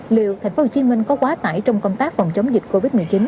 liệu thành phố hồ chí minh có quá tải trong công tác phòng chống dịch covid một mươi chín